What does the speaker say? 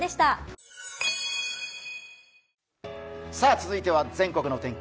続いては全国の天気。